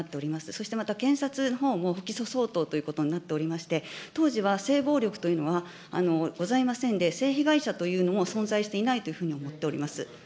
そしてまた、検察のほうも不起訴相当ということになっておりまして、当時は性暴力というのはございませんで、性被害者というのも存在していないというふうに思っております。